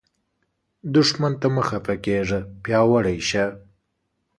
دښمن ته مه خفه کیږه، پیاوړی شه